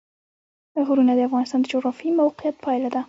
غرونه د افغانستان د جغرافیایي موقیعت پایله ده.